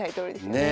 ねえ。